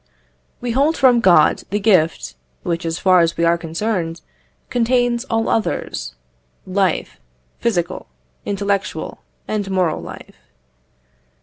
We hold from God the gift which, as far as we are concerned, contains all others, Life physical, intellectual, and moral life.